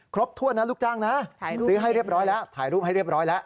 ครบถ้วนนะลูกจ้างนะซื้อให้เรียบร้อยแล้วถ่ายรูปให้เรียบร้อยแล้ว